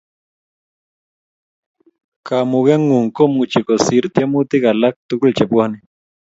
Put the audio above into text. Kamugengung komuchu kosir tiemutik alak tugul che bwoni